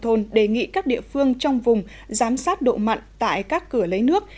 thôn đề nghị các địa phương trong vùng giám sát độ mặn tại các cửa lấy nước